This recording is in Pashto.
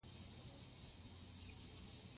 افغانستان کې د غزني د پرمختګ هڅې روانې دي.